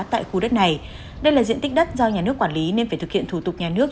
tại khu đất này đây là diện tích đất do nhà nước quản lý nên phải thực hiện thủ tục nhà nước